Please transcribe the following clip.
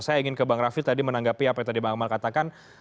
saya ingin ke bang rafi tadi menanggapi apa yang tadi bang akmal katakan